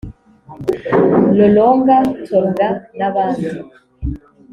Lolonga Thorga n’abandi